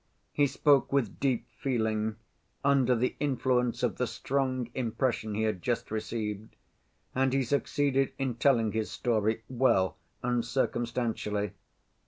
He spoke with deep feeling, under the influence of the strong impression he had just received, and he succeeded in telling his story well and circumstantially.